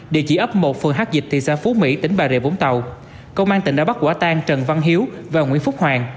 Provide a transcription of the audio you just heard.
địa chỉ ấp một phường hát dịch thị xã phú mỹ tỉnh bà rịa vũng tàu công an tỉnh đã bắt quả tang trần văn hiếu và nguyễn phúc hoàng